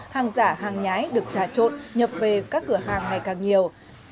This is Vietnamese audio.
hàng giả hàng nhái được trà trộn nhập về các cửa hàng ngày càng nhiều